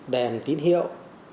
đèn tín hiệu